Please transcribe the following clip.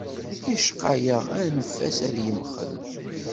Yecqa-yaɣ anef-as yemxel.